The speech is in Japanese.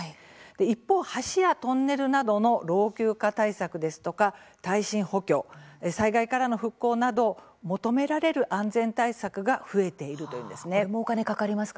一方、橋やトンネルなどの老朽化対策ですとか耐震補強災害からの復興など求められる安全対策が増えているというんです。